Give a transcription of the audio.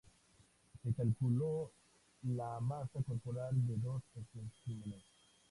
Se calculó la masa corporal de dos especímenes.